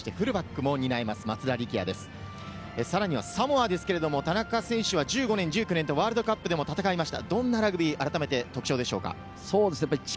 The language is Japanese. サモアですけれど、田中選手は１５年、１９年とワールドカップでも戦いました。